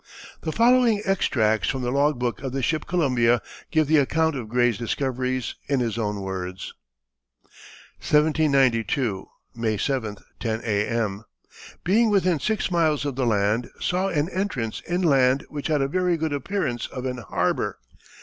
The following extracts from the log book of the ship Columbia give the account of Gray's discoveries in his own words: "1792, May 7. 10 A.M. Being within six miles of the land, saw an entrance in land which had a very good appearance of an harbour....